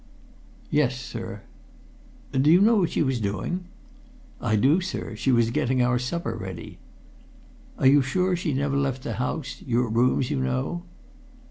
"Yes, sir." "Do you know what she was doing?" "I do, sir. She was getting our supper ready." "Are you sure she never left the house your rooms, you know?"